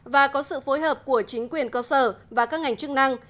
và có sự phối hợp của chính quyền cơ sở và các ngành chức năng